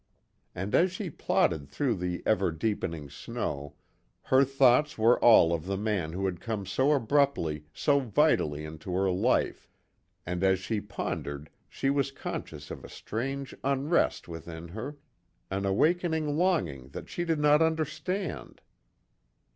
And as she plodded through the ever deepening snow her thoughts were all of the man who had come so abruptly so vitally into her life, and as she pondered she was conscious of a strange unrest within her, an awakening longing that she did not understand.